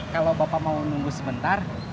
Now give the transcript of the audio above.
kalau bapak mau nunggu sebentar